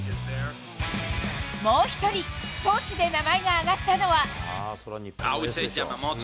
もう１人、投手で名前が挙がったのは。